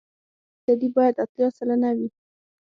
د کمپکشن فیصدي باید اتیا سلنه وي